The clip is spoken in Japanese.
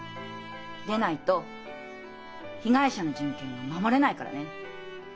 でないと被害者の人権が守れないからね。